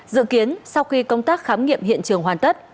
dự kiến sau khi công tác khám nghiệm hiện trường hoàn tất